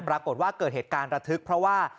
ปรากฏว่าเกิดเหตุการณ์ระทึกเพราะว่า